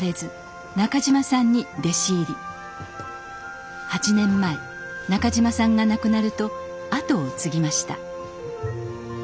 ８年前中島さんが亡くなると後を継ぎました。